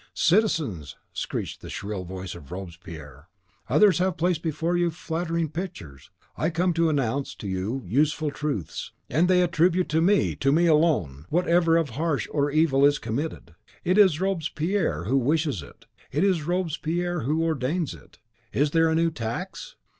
"Citizens!" screeched the shrill voice of Robespierre "others have placed before you flattering pictures; I come to announce to you useful truths. .... "And they attribute to me, to me alone! whatever of harsh or evil is committed: it is Robespierre who wishes it; it is Robespierre who ordains it. Is there a new tax?